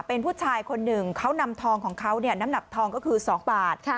เป็นผู้ชายคนหนึ่งเขานำทองของเขาน้ำหนักทองก็คือ๒บาท